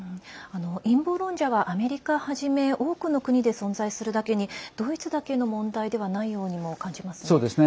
陰謀論者はアメリカはじめ多くの国で存在するためにドイツだけの問題ではないようにも感じますね。